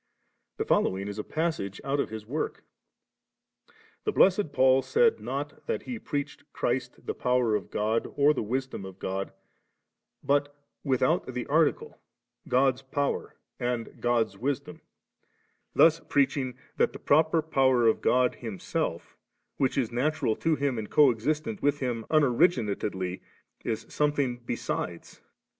The following is a passage out of his work*: 'The Blessed Paul said not that he preached Christ the power of God or the wisdom of God, bu^ without the article, •God's power and God's wisdom^;' thus preaching that the proper power of God Him self which is natural to Him and co*existent with Him unoriginatedly, is something be sides.'